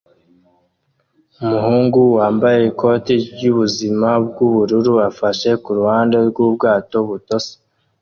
Umuhungu wambaye ikoti ryubuzima bwubururu afashe kuruhande rwubwato butoshye